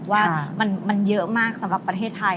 ว่ามันเยอะมากสำหรับประเทศไทย